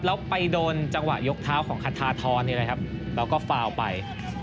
แล้วไปโดนจังหวะยกเท้าของคทธทอลเราก็ฟาร์ลไป